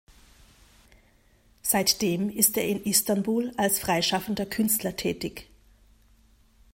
Seitdem ist er in Istanbul als freischaffender Künstler tätig.